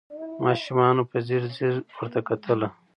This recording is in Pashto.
ماشومانو په ځیر ځیر ورته کتله